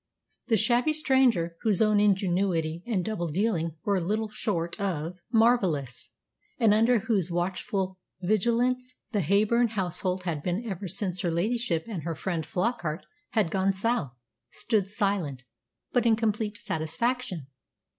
The shabby stranger, whose own ingenuity and double dealing were little short of marvellous, and under whose watchful vigilance the Heyburn household had been ever since her ladyship and her friend Flockart had gone south, stood silent, but in complete satisfaction.